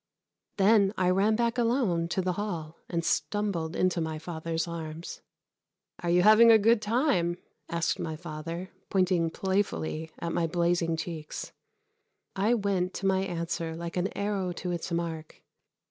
Then I ran back alone to the hall and stumbled into my father's arms. "Are you having a good time?" asked my father, pointing playfully at my blazing cheeks. I went to my answer like an arrow to its mark.